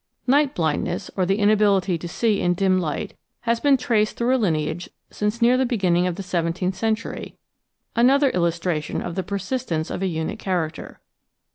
Night blindness, or the inability to see in dim light, has been traced through a lineage since near the beginning of the seventeenth century — another illustration of the persistence of a unit character.